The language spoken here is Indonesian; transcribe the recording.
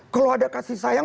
kalau ada kasih sayang